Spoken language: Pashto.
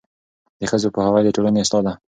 د ښځو پوهاوی د ټولنې اصلاح ده.